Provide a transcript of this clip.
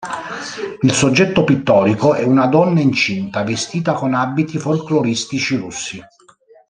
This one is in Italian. Il soggetto pittorico è una donna incinta vestita con abiti folkloristici russi.